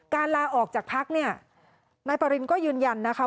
ลาออกจากพักเนี่ยนายปรินก็ยืนยันนะคะ